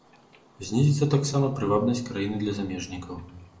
Знізіцца таксама прывабнасць краіны для замежнікаў.